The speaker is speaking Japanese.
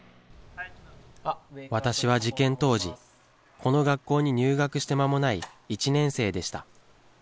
私は事件当時、この学校に入学して間もない１年生でした。